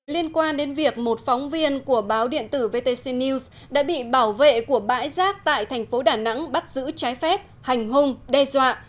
liên quan đến việc một phóng viên của báo điện tử vtc news đã bị bảo vệ của bãi rác tại thành phố đà nẵng bắt giữ trái phép hành hung đe dọa